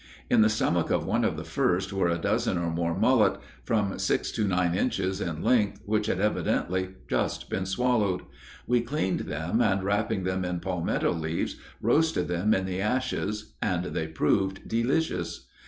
In the stomach of one of the first were a dozen or more mullet, from six to nine inches in length which had evidently just been swallowed. We cleaned them, and wrapping them in palmetto leaves, roasted them in the ashes, and they proved delicious.